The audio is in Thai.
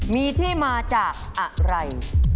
มีที่มาจากอะไร